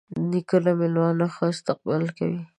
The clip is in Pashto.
نیکه له میلمانه ښه استقبال کوي.